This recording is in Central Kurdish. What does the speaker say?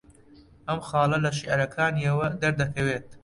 ئەم خاڵە لە شێعرەکانییەوە دەردەکەوێت